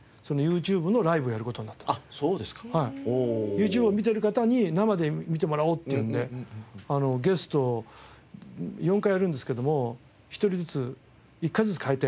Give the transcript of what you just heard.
ＹｏｕＴｕｂｅを見ている方に生で見てもらおうっていうのでゲストを４回やるんですけども１人ずつ１回ずつ変えて。